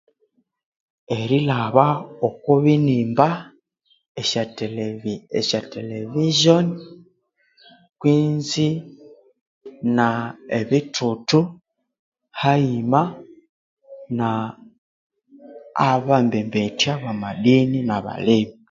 Erilhaba okwa binimba, esya television kwinzi na ebithuthu hayima na abembembethya ba madini nabalemi.